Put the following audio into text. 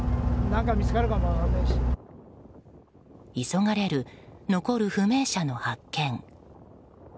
急がれる残る不明者の発見。